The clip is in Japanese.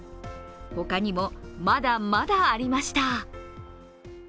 他にもまだまだありました。